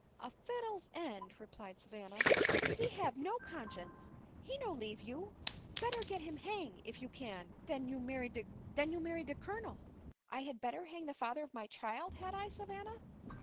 " A fiddle's end !" replied Savanna, " he have no conscience, or he no leave you ; better get him hang, if you can, den you marry de Colonel." " I had better hang the father of my child, had I, Savanna ?"